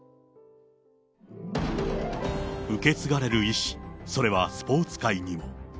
受け継がれる遺志、それはスポーツ界にも。